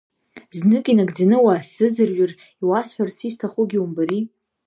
Знык инагӡаны уаасзыӡырҩыр, иуасҳәарц исҭахугьы умбари.